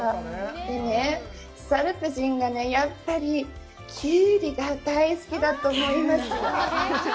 でね、ソルブ人がやっぱりキュウリが大好きだと思います。